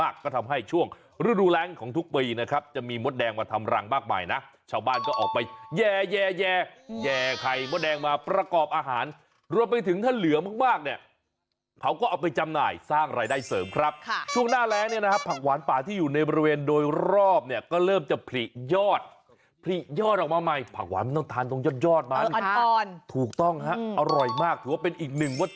ก็ทำให้ช่วงมดแล้งของทุกปีจะมีมสแดงมาทำรังมากมายนะเฉลี่ยภาฯและเขายังขับที่หมายมาใบ